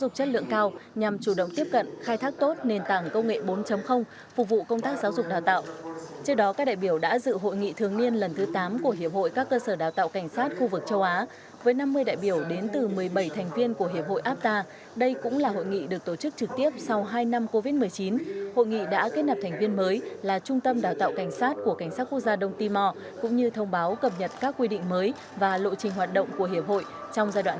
bốn phục vụ công tác giáo dục đào tạo trước đó các đại biểu đã dự hội nghị thường niên lần thứ tám của hiệp hội các cơ sở đào tạo cảnh sát khu vực châu á với năm mươi đại biểu đến từ một mươi bảy thành viên của hiệp hội apta đây cũng là hội nghị được tổ chức trực tiếp sau hai năm covid một mươi chín hội nghị đã kết nập thành viên mới là trung tâm đào tạo cảnh sát của cảnh sát quốc gia đông timor cũng như thông báo cập nhật các quy định mới và lộ trình hoạt động của hiệp hội trong giai đoạn hai nghìn hai mươi bốn hai nghìn hai mươi tám